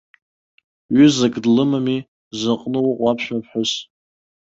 Ҩызак длымами, зыҟны уҟоу аԥшәмаԥҳәыс.